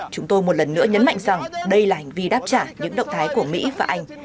chúng tôi một lần nữa nhấn mạnh rằng đây là hành vi đáp trả những động thái của mỹ và anh